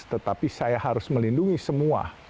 tetapi saya harus melindungi semua